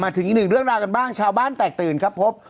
ถึงอีกหนึ่งเรื่องราวกันบ้างชาวบ้านแตกตื่นครับพบ